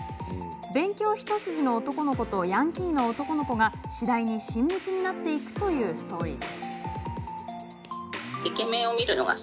勉強一筋の男の子とヤンキーの男の子が次第に親密になっていくというストーリー。